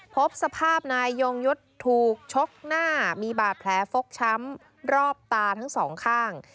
พบสภาพนายยงยุทธ์ถูกชกหน้ามีบาดแผลฟกช้ำรอบตาทั้งสองข้าง